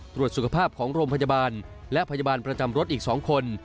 ตรวจสุขภาพของโรงพยาบาลและพยาบาลประจำรถอีก๒คน